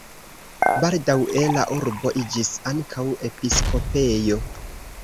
Baldaŭe la urbo iĝis ankaŭ episkopejo.